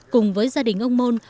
cùng với gia đình ông môn